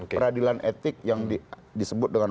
dan di peradilan etik yang disebut dengan